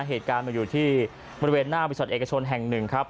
เหตุการณ์มันอยู่ที่บริเวณหน้าบริษัทเอกชนแห่งหนึ่งครับ